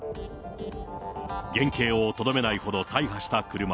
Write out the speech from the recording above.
原形をとどめないほど大破した車。